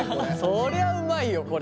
そりゃあうまいよこれ。